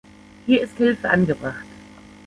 Hier ist Hilfe angebracht.